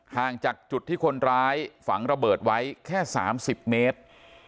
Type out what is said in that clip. ห่างจากจุดที่คนร้ายฝังระเบิดไว้แค่๓๐เมตร